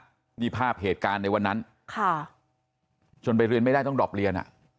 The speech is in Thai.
นี่ภาพเหตุการณ์ในวันนั้นค่ะจนไปเรียนไม่ได้ต้องดอบเรียน